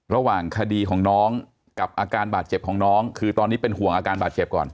ระหว่างคดีของน้องกับอาการบาดเจ็บของน้องคือตอนนี้เป็นห่วงอาการบาดเจ็บก่อน